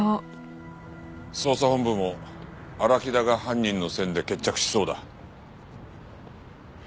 捜査本部も荒木田が犯人の線で決着しそうだ。